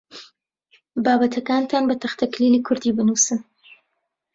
بابەتەکانتان بە تەختەکلیلی کوردی بنووسن.